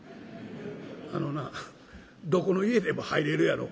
「あのなどこの家でも入れるやろ」。